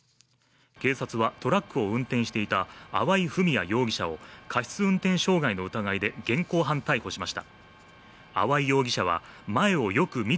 警察は、トラックを運転していた粟井文哉容疑者を過失運転傷害の疑いで現行犯逮捕しました。